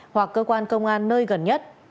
hoặc cơ quan công an nơi gần nhất